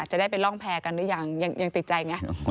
จะได้ไปร่องแพร่กันหรือยังยังติดใจไง